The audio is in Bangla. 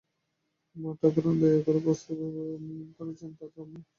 মা-ঠাকরুণ দয়া করে যে প্রস্তাব করেছেন, তাতে আমি বিশেষ কৃতার্থ হয়েছি।